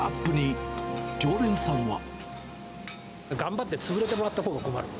頑張って、潰れてもらったほうが困る。